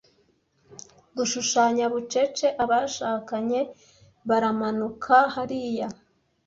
gushushanya bucece abashakanye baramanuka hariya